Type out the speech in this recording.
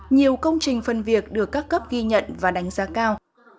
nhiều công trình phân việc được các cấp ghi nhận và đánh giá cao